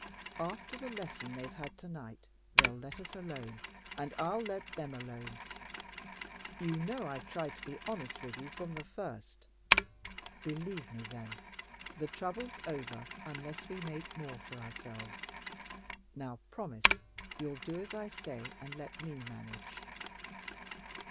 After the lesson they've had tonight, they'll let us alone, and I'll let them alone. You know I've tried to be honest with you from the first. Believe me, then, the trouble's over unless we make more for ourselves. Now, promise you'll do as I say and let me manage."